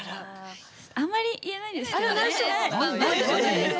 あまり、言えないんですけどね。